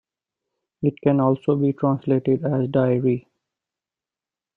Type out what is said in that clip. It can also be translated as "Diary".